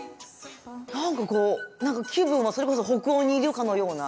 なんかこうなんか気分はそれこそ北欧にいるかのような。